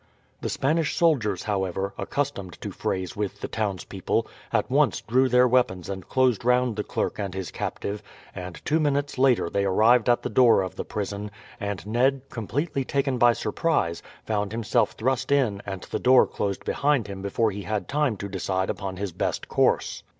The Spanish soldiers, however, accustomed to frays with the townspeople, at once drew their weapons and closed round the clerk and his captive, and two minutes later they arrived at the door of the prison, and Ned, completely taken by surprise, found himself thrust in and the door closed behind him before he had time to decide upon his best course.